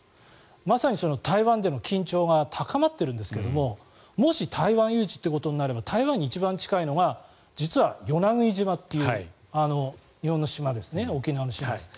まさに台湾での緊張が高まっているんですがもし台湾有事ということになれば台湾に一番近いのが実は与那国島という日本の島ですね、沖縄の島です。